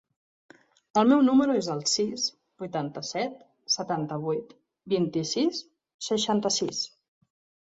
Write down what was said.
El meu número es el sis, vuitanta-set, setanta-vuit, vint-i-sis, seixanta-sis.